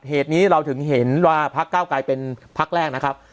เหตุนี้เราถึงเห็นว่าพักเก้าไกรเป็นพักแรกนะครับ